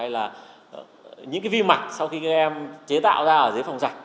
và những vi mạch sau khi các em chế tạo ra ở dưới phòng sạch